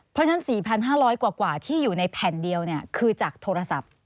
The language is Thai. เพราะฉะนั้น๔๕๐๐กว่าที่อยู่ในแผ่นเดียวคือจากโทรศัพท์